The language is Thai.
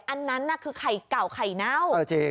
อันนั้นคือไข่เก่าไข่เน่า